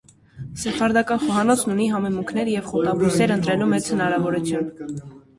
Սեֆարդական խոհանոցն ունի համեմունքներ և խոտաբույսեր ընտրելու մեծ հնարավորություն։